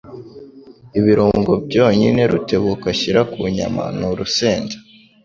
Ibirungo byonyine Rutebuka ashyira ku nyama ni urusenda.